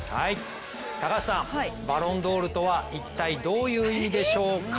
高橋さん、バロンドールとは一体どういう意味でしょうか？